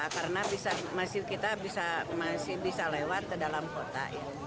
karena kita masih bisa lewat ke dalam kota